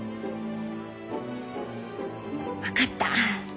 分かった。